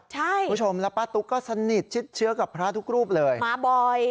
คุณผู้ชมแล้วป้าตุ๊กก็สนิทชิดเชื้อกับพระทุกรูปเลยมาบ่อย